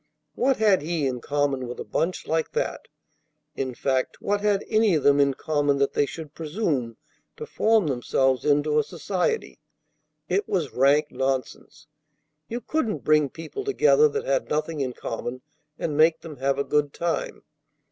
What had he in common with a bunch like that? In fact, what had any of them in common that they should presume to form themselves into a society? It was rank nonsense. You couldn't bring people together that had nothing in common and make them have a good time.